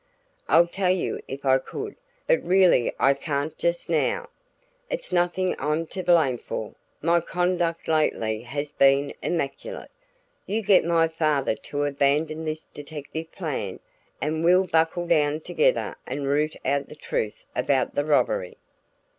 I'd tell you if I could, but really I can't just now. It's nothing I'm to blame for my conduct lately has been immaculate. You get my father to abandon this detective plan, and we'll buckle down together and root out the truth about the robbery."